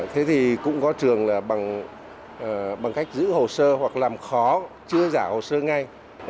thế thì cũng có trường là bằng cách giữ hồ sơ hoặc làm khó chưa giả hồ sơ ngay